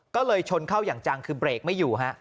ก็เลยชนเข้าอย่างจังคือเบรกไม่อยู่ฮะ